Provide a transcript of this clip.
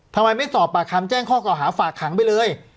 ทำไมไม่สอบปากคำแจ้งข้อเก่าหาฝากขังไปเลย